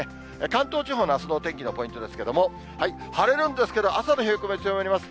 関東地方のあすのお天気のポイントですけれども、晴れるんですけど、朝の冷え込み、強まります。